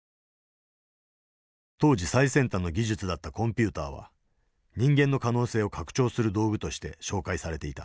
当時最先端の技術だったコンピューターは人間の可能性を拡張する道具として紹介されていた。